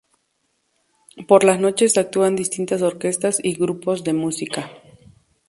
Por las noches actúan distintas orquestas y grupos de música.